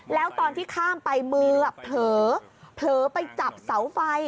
แล้วตอนที่ข้ามไปมือเผลอไปจับเสาไฟ